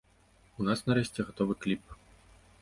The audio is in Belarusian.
У нас нарэшце гатовы кліп.